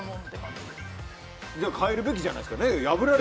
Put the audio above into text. じゃあ変えるべきじゃないですか。